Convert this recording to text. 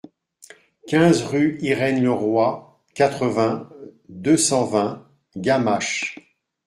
quinze rue Irène Leroy, quatre-vingts, deux cent vingt, Gamaches